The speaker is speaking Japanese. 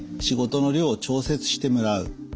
仕事の量を調節してもらう。